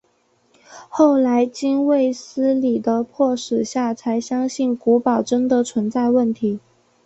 后来经卫斯理的迫使下才相信古堡真的存在问题。